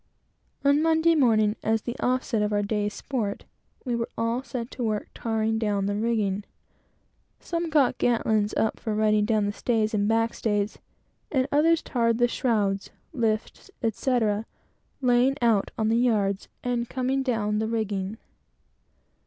On Monday morning, as an offset to our day's sport, we were all set to work "tarring down" the rigging. Some got girt lines up for riding down the stays and back stays, and others tarred the shrouds, lifts, etc., laying out on the yards, and coming down the rigging.